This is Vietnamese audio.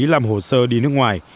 làm hồ sơ đi nước ngoài